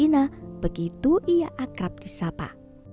ina begitu ia akrab di sapa